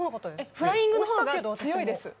フライングの方が強いです。